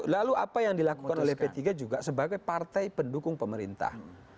lalu apa yang dilakukan oleh p tiga juga sebagai partai pendukung pemerintah